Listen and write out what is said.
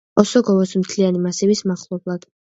ოსოგოვოს მთიანი მასივის მახლობლად.